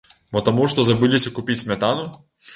Мо таму што забыліся купіць смятану!?